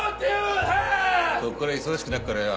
こっから忙しくなっからよ